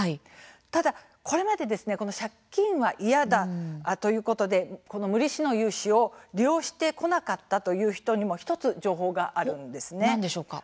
ただ、これまで借金が嫌だということで無利子の融資を利用してこなかったという人にも１つ情報があるんですね。